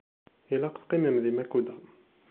Ilaq teqqimem di Makuda.